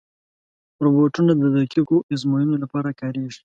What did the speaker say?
روبوټونه د دقیقو ازموینو لپاره کارېږي.